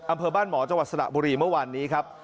อำเภอบ้านหมอจังหวัดสระบุรีเมื่อวานนี้ครับ